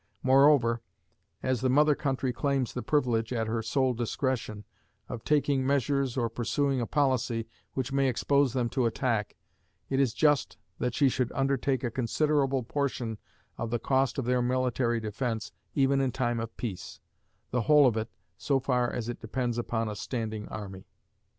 Moreover, as the mother country claims the privilege, at her sole discretion, of taking measures or pursuing a policy which may expose them to attack, it is just that she should undertake a considerable portion of the cost of their military defense even in time of peace; the whole of it, so far as it depends upon a standing army.